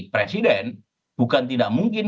presiden bukan tidak mungkin